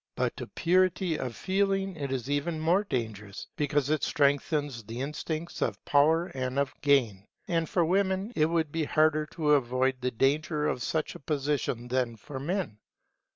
But to purity of feeling it is even more dangerous, because it strengthens the instincts of power and of gain. And for women it would be harder to avoid the danger of such a position than for men.